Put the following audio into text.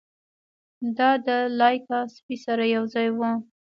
دا د لایکا سپي سره یوځای و.